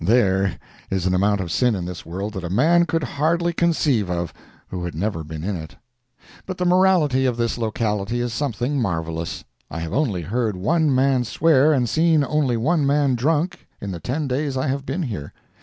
There is an amount of sin in this world that a man could hardly conceive of who had never been in it. But the morality of this locality is something marvellous. I have only heard one man swear and seen only one man drunk in the ten days I have been here.